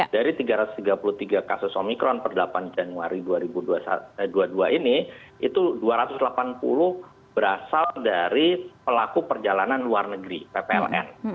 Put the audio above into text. dari tiga ratus tiga puluh tiga kasus omikron per delapan januari dua ribu dua puluh dua ini itu dua ratus delapan puluh berasal dari pelaku perjalanan luar negeri ppln